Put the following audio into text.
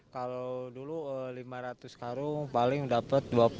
kalau dulu lima ratus karung paling dapat dua puluh